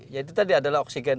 yaitu tadi adalah oksigen